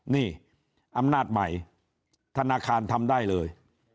นี่อำนาจใหม่ธนาคารทำได้เลย